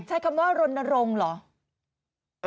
ใช้คำว่ารณรงค์เหรอ